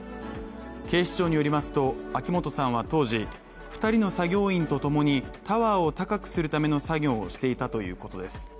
警視庁によりますと、秋元さんは当時、２人の作業員とともにタワーを高くするための作業をしていたということです。